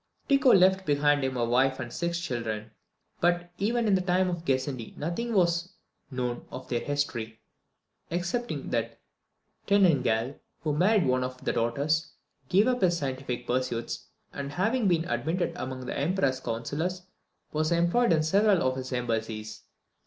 Tycho left behind him a wife and six children, but even in the time of Gassendi nothing was known of their history, excepting that Tengnagel, who married one of the daughters, gave up his scientific pursuits, and, having been admitted among the Emperor's counsellors, was employed in several of his embassies.